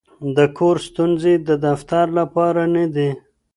د کور ستونزې د دفتر لپاره نه دي.